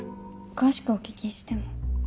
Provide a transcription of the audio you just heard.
詳しくお聞きしても？